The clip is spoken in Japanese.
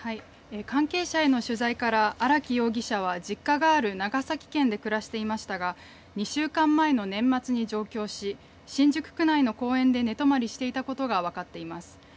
関係者への取材から荒木容疑者は実家がある長崎県で暮らしていましたが２週間前の年末に上京し新宿区内の公園で寝泊まりしていたことが分かっています。